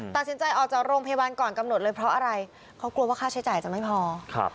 ตัดสินใจออกจากโรงพยาบาลก่อนกำหนดเลยเพราะอะไรเขากลัวว่าค่าใช้จ่ายจะไม่พอครับ